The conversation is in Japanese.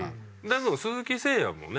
でも鈴木誠也もね